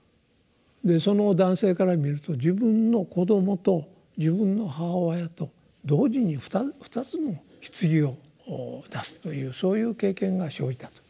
その男性から見ると自分の子どもと自分の母親と同時に２つの棺を出すというそういう経験が生じたと。